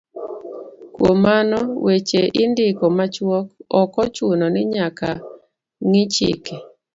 Kuom mano, weche indiko machuok, ok ochuno ni nyaka ng'i chike